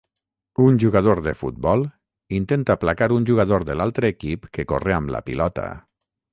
Un jugador de futbol intenta placar un jugador de l'altre equip que corre amb la pilota